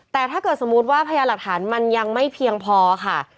แต่ถ้าเกิดสมมุติว่าพยานหลักฐานมันยังไม่เพียงพอค่ะ